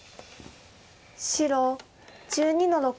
白１２の六。